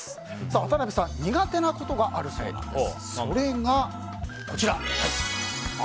渡辺さん、苦手なことがあるそうなんです。